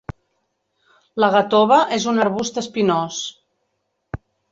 La gatova és un arbust espinós.